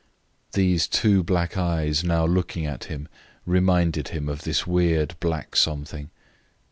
These two black eyes now looking at him reminded him of this weird, black something.